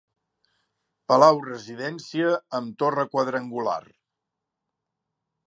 Palau-residència amb torre quadrangular.